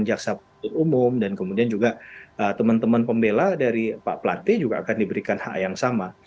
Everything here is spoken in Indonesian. kemudian proses pembuktian jaksa umum dan kemudian juga teman teman pembela dari pak platy juga akan diberikan hak yang sama